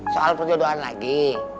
soal perjodohan lagi